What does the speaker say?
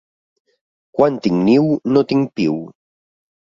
Quan tinc niu, no tinc piu.